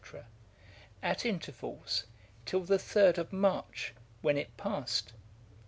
at intervals, till the 3d of March, when it passed.